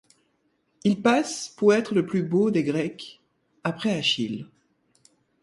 Il passe pour être le plus beau des Grecs après Achille.